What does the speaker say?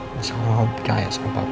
misalnya kamu percaya sama papa